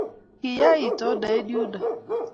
Ki ya itondo eng yundok